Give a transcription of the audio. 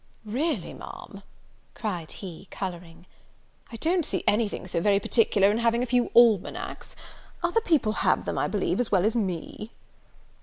"Really, Ma'am," cried he, colouring, "I don't see anything so very particular in having a few almanacks; other people have them, I believe, as well as me."